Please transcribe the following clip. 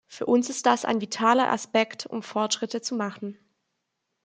Für uns ist das ein vitaler Aspekt, um Fortschritte zu machen.